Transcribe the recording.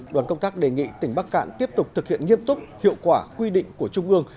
đoàn công tác đề nghị tỉnh bắc cạn tiếp tục thực hiện nghiêm túc hiệu quả quy định của trung ương